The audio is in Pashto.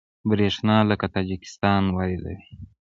بریښنا له تاجکستان واردوي